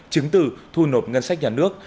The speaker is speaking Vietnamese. chứng từ thu nộp ngân sách nhà nước